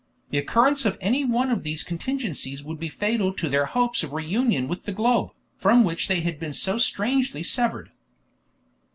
The occurrence of any one of these contingencies would be fatal to their hopes of reunion with the globe, from which they had been so strangely severed.